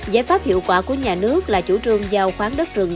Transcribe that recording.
giải pháp hiệu quả của nhà nước là chủ trương giao khoáng đất rừng